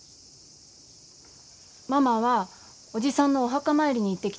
ママはおじさんのお墓参りに行ってきたのよ。